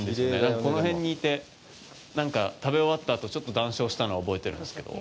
この辺にいて、食べ終わったあとちょっと談笑したのを覚えてるんですけど。